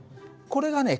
これがね